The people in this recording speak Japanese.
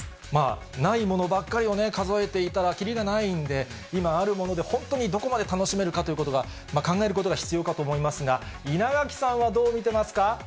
ないものばっかりを数えていたらきりがないんで、今あるもので本当にどこまで楽しめるかということを考えることが必要かと思いますが、稲垣さんはどう見てますか。